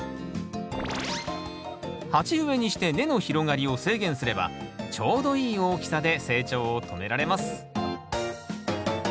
鉢植えにして根の広がりを制限すればちょうどいい大きさで成長を止められます